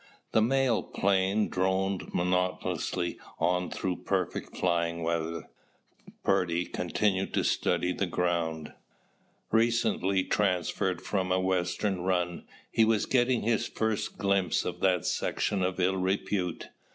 The mail plane droned monotonously on through perfect flying weather. Purdy continued to study the ground. Recently transferred from a western run, he was getting his first glimpse of that section of ill repute.